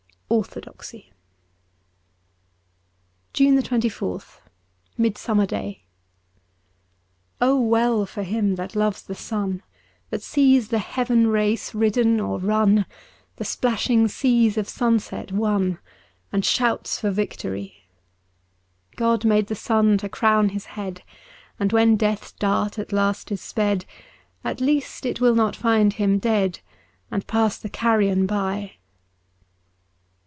^Orthodoxy.'' 192 JUNE 24th MIDSUMMER DAY OWELL for him that loves the sun, That sees the heaven race ridden or run, The splashing seas of sunset won. And shouts for victory. God made the sun to crown his head. And when death's dart at last is sped, At least it will not find him dead, And pass the carrion by.